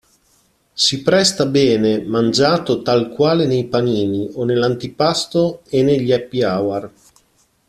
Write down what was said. Si presta bene mangiato tal quale nei panini o nell'antipasto e negli happy hour.